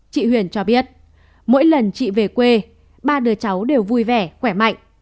chị huyền cho biết mỗi lần chị về quê ba đứa cháu đều vui vẻ khỏe mạnh